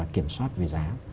kiểm soát về giá